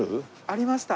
ありました。